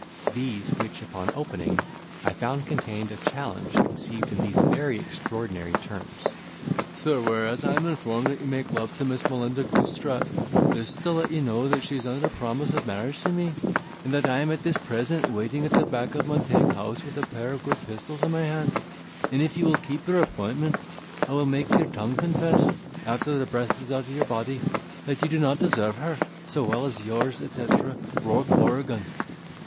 these; which, upon opening, I found contained a challenge conceived in these very extraordinary terms: "Sir,—Whereas I am informed that you make love to Miss Melinda Goosetrap, this is to let you know that she is under promise of marriage to me; and that I am at this present waiting at the back of Montague House, with a pair of good pistols in my hand; and if you will keep your appointment, I will make your tongue confess (after the breath is out of your body) that you do not deserve her so well as Yours, etc. Rourk Oregan."